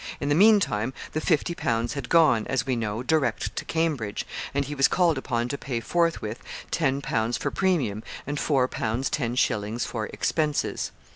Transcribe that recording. In the meantime the fifty pounds had gone, as we know, direct to Cambridge; and he was called upon to pay forthwith ten pounds for premium, and four pounds ten shillings for 'expenses.'